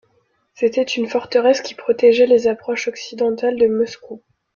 C'était une forteresse qui protégeait les approches occidentales de Moscou.